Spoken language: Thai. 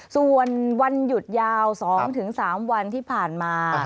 ส่วนวันหยุดยาว๒๓วันที่ผ่านมา